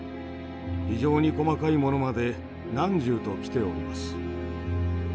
非常に細かいものまで何十と来ております。